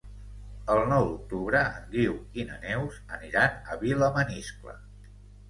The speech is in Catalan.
El nou d'octubre en Guiu i na Neus aniran a Vilamaniscle.